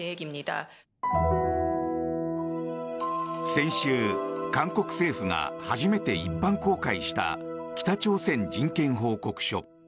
先週、韓国政府が初めて一般公開した「北朝鮮人権報告書」。